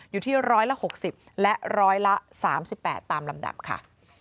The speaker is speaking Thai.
อยู่ที่๑๖๐และร้อยละ๓๘ตามลำดับค่ะ